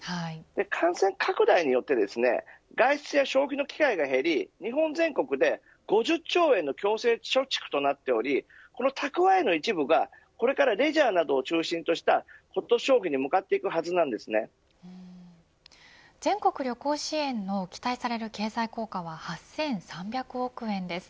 感染拡大によって外出や消費の機会が減り日本全国で５０兆円の強制貯蓄となっておりこの蓄えの一部がこれからレジャーなどを中心としたコト消費に全国旅行支援の期待される経済効果は８３００億円です。